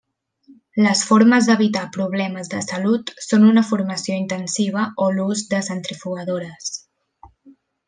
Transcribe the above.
Les formes d'evitar problemes de salut són una formació intensiva o l'ús de centrifugadores.